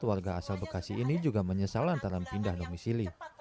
warga asal bekasi ini juga menyesal antara pindah domisili